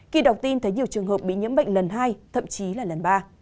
khi đọc tin thấy nhiều trường hợp bị nhiễm bệnh lần hai thậm chí là lần ba